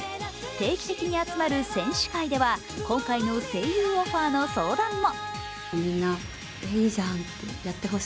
定期的に集まる戦士会では今回の声優オファーの相談も。